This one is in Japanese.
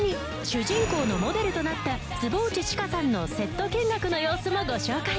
主人公のモデルとなった坪内知佳さんのセット見学の様子もご紹介